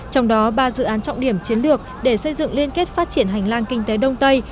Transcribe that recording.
trong đó ba dự án trọng điểm chiến lược để xây dựng liên kết phát triển hành lang kinh tế đông tây